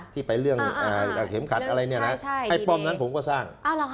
ที่ไปเรื่องเข็มขัดอะไรเนี่ยนะไอ้ป้อมนั้นผมก็สร้าง